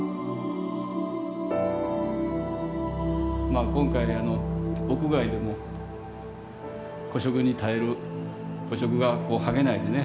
まあ今回屋外でも古色に耐える古色が剥げないでね